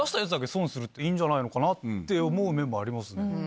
っていいんじゃないのかなって思う面もありますね。